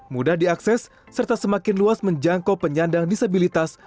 mudah diakses serta semakin luas menjangkau penyandang disabilitas